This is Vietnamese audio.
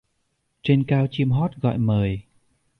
Trên cao chim hót gọi mời